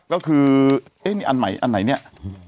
ก็คือเอ๊ะนี่อันใหม่อันไหนเนี่ย